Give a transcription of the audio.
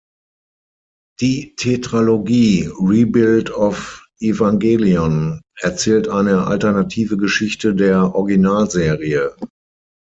Die Tetralogie „Rebuild of Evangelion“ erzählt eine alternative Geschichte der Originalserie.